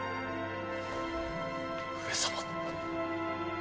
上様！